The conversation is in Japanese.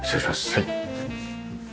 はい。